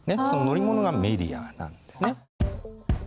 その乗り物がメディアなんだね。